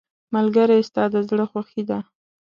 ملګری ستا د زړه خوښي ده.